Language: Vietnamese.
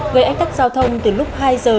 gây ách tắc giao thông từ lúc hai giờ